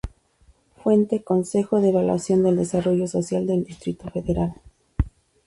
Fuente: Consejo de Evaluación del Desarrollo Social del Distrito Federal.